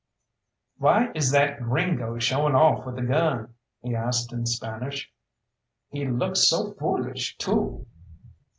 "Why is that gringo showing off with a gun?" he asked in Spanish. "He looks so foolish, too!"